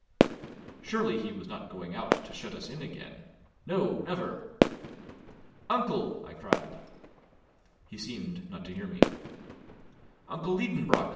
Surely he was not going out, to shut us in again! no, never! "Uncle!" I cried. He seemed not to hear me. "Uncle Liedenbrock!"